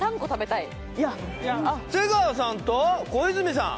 いやあっ瀬川さんと小泉さん